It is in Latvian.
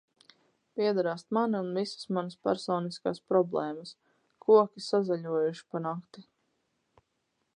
Piedrāzt mani un visas manas personiskās problēmas! Koki sazaļojuši pa nakti!